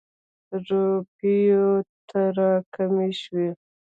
روپیو ته را کمې شوې.